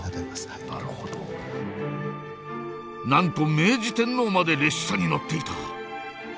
なんと明治天皇まで列車に乗っていた！